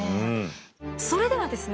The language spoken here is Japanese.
それではですね